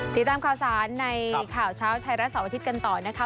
ติดตามข่าวสารในข่าวเช้าไทยรัฐเสาร์อาทิตย์กันต่อนะคะ